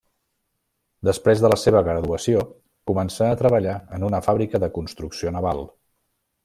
Després de la seva graduació començà a treballar en una fàbrica de construcció naval.